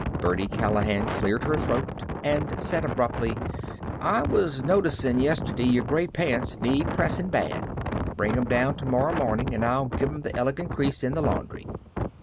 Birdie Callahan cleared her throat and said abruptly: "I was noticin' yesterday your gray pants needs pressin' bad. Bring 'em down tomorrow mornin' and I'll give 'em th' elegant crease in the laundry."